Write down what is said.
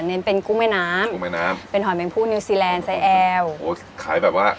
เน้นเป็นกุ้งแม่น้ำกุ้งแม่น้ำเป็นหอยแมงพู่นิวซีแลนด์ไซแอลโอ้ขายแบบว่า